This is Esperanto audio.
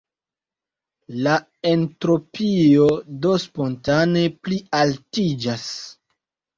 La entropio do spontane plialtiĝas.